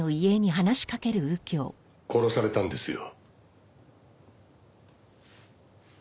殺されたんですよ。